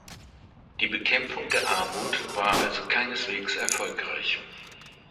Die Bekämpfung der Armut war also keineswegs erfolgreich.